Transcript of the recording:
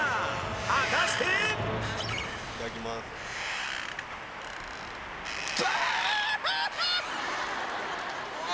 果たしていただきますブワ！